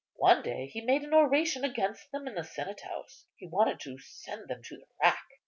One day he made an oration against them in the senate house; he wanted to send them to the rack.